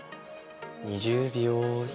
２０秒１。